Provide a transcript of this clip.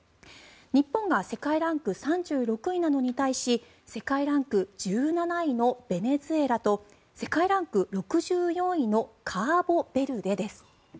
日本が世界ランク３６位なのに対し世界ランク１７位のベネズエラと世界ランク６４位のカボベルデです。